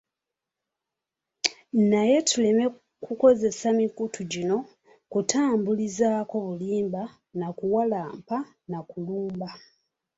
Naye tuleme kukozesa mikutu gino kutambulizaako bulimba, nakuwalampa, nakulumba.